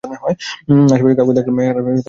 আশেপাশে কাউকে দেখলামনা, আর একটা সিগারেট ধরালাম।